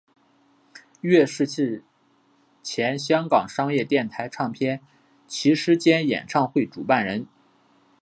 乐仕是前香港商业电台唱片骑师兼演唱会主办人。